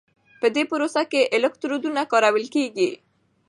په دې پروسه کې الکترودونه کارول کېږي.